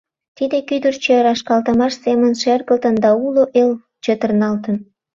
Тиде кӱдырчӧ рашкалтымаш семын шергылтын да уло эл чытырналтын.